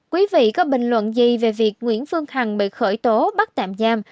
quý vị có bình luận gì về việc nguyễn phương hằng bị khởi tố bắt tạm giam